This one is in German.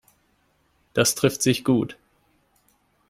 Das trifft sich gut.